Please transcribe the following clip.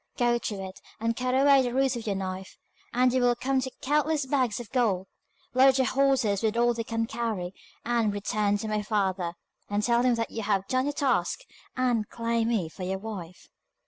Go to it, and cut away the roots with your knife, and you will come to countless bags of gold. Load the horses with all they can carry, and return to my father, and tell him that you have done your task, and can claim me for your wife.